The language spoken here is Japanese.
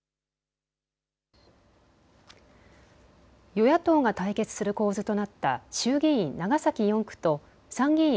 与野党が対決する構図となった衆議院長崎４区と参議院